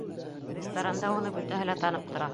Ресторанда уны бөтәһе лә танып тора.